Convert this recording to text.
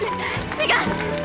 違う！